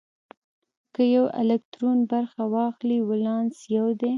که یو الکترون برخه واخلي ولانس یو دی.